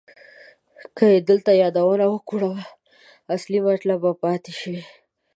که یې دلته یادونه وکړم اصلي مطلب به پاتې شي.